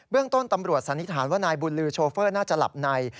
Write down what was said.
เรื่องต้นตำรวจสันนิษฐานว่านายบุญลือโชเฟอร์น่าจะหลับใน